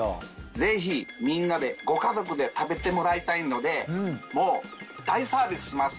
ぜひみんなでご家族で食べてもらいたいのでもう大サービスします。